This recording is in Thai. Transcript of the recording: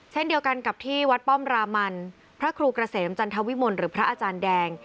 เช่นเดียวกันกับที่วัดป้อมรามันพระครูเกษมจันทวิมลหรือพระอาจารย์แดง